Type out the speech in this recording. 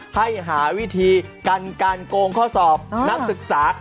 ให้หาวิธีกันการโกงข้อสอบนักศึกษา